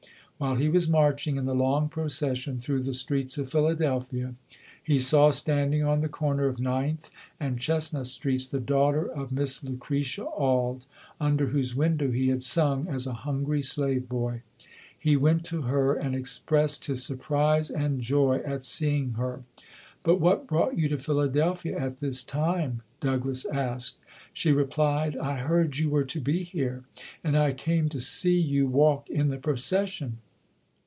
While he was marching in the long procession through the streets of Philadelphia, he saw standing on the corner of Ninth and Chestnut Streets, the daugh ter of Miss Lucretia Auld, under whose window he had sung as a hungry slave boy. He went to her and expressed his surprise and joy at seeing her. "But what brought you to Philadelphia at this time?" Douglass asked. She replied, "I heard you were to be here and I came to see you walk in the procession".